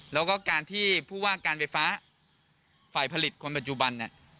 แล้วก็การที่ผู้ว่าการไฟฟ้าฝ่ายผลิตคนปัจจุบันเนี่ย